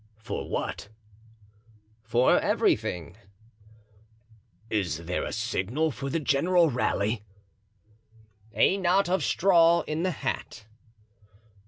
"For what?" "For everything." "Is there any signal for the general rally?" "A knot of straw in the hat."